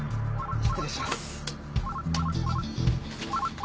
失礼します。